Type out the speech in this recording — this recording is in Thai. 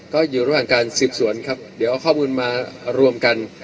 ก็อยู่ระหว่างการสืบสวนครับเดี๋ยวเอาข้อมูลมารวมกัน